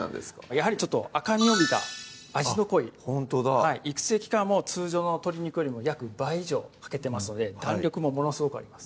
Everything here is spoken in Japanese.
やはりちょっと赤み帯びた味の濃いほんとだ育成期間も通常の鶏肉よりも約倍以上かけてますので弾力もものすごくあります